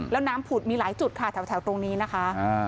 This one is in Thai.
แล้วน้ำผุดมีหลายจุดค่ะแถวตรงนี้นะคะ